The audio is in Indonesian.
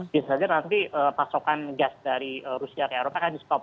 bisa saja nanti pasokan gas dari rusia ke eropa akan di stop